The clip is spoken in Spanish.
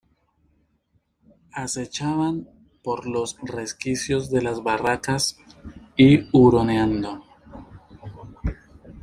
acechaban por los resquicios de las barracas, y , huroneando